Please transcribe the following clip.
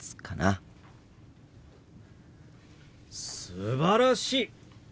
すばらしい！